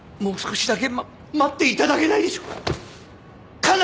もう少しだけ待っていただけないでしょうか？